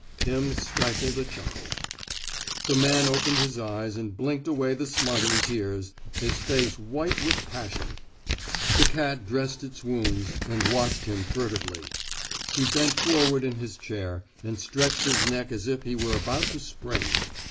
Pim stifled a chuckle. The man opened his eyes and blinked away the smarting tears, his face white with passion. The cat dressed its wounds, and watched him furtively. He bent forward in his chair, and stretched his neck as if he were about to spring.